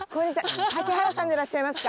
竹原さんでいらっしゃいますか？